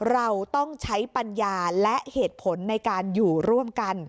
เราต้องใช้ปัญญาและเหตุผลในการอยู่ร่วมกัน